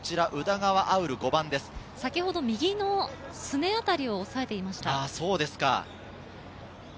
先ほど右のすね辺りを押さえていました。